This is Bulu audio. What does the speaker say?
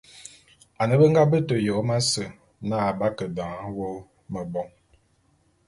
Ane be nga bete Yom ase na be ke dan wô mebôn.